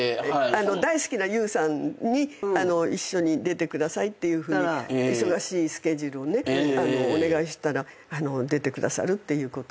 大好きなＹＯＵさんに一緒に出てくださいって忙しいスケジュールをお願いしたら出てくださるっていうこと。